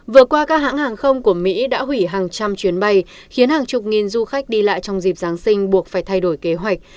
vừa qua các hãng hàng không của mỹ đã hủy hàng trăm chuyến bay khiến hàng chục nghìn du khách đi lại trong dịp giáng sinh buộc phải thay đổi kế hoạch